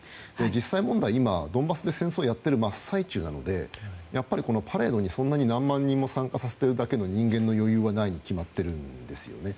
実際問題、今、ドンバスで戦争をやっている真っ最中なのでパレードに何万人も参加させるという人間の余裕はないに決まっているんですよね。